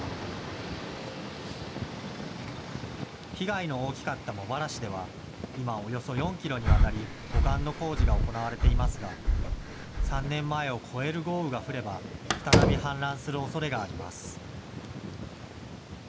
被害の大きかった茂原市では今、およそ４キロにわたり護岸の工事が行われていますが３年前を超える豪雨が降れば再び氾濫するおそれがあります。